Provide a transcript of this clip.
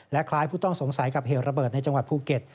คล้ายผู้ต้องสงสัยกับเหตุระเบิดในจังหวัดภูเก็ต